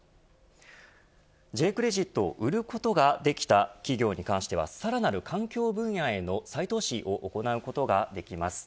Ｊ−クレジットを売ることができた企業に関してはさらなる環境分野への再投資を行うことができます。